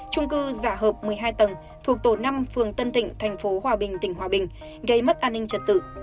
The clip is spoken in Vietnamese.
trung cư giả hợp một mươi hai tầng thuộc tổ năm phường tân thịnh thành phố hòa bình tỉnh hòa bình gây mất an ninh trật tự